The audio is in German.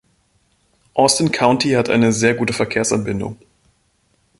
Austin County hat eine sehr gute Verkehrsanbindung.